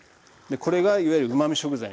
これがいわゆるうまみ食材になります。